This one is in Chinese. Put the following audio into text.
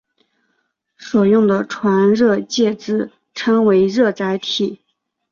所用的传热介质称为热载体。